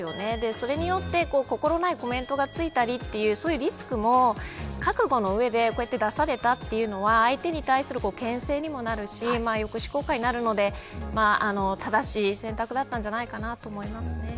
それによって心ないコメントがついたり、そういうリスクも覚悟の上で、出されたというのは相手に対するけん制にもなるし抑止効果になるので正しい選択だったんじゃないかなと思います。